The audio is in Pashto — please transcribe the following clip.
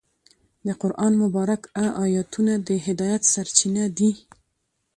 د قرآن مبارکه آیتونه د هدایت سرچینه دي.